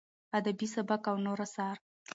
ادبي سبک او نور اثار: